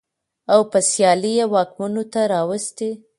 او په سيالۍ واکمنو ته راوستې.